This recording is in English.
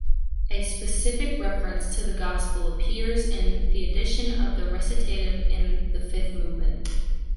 A specific reference to the Gospel appears in the addition of the recitative in the fifth movement.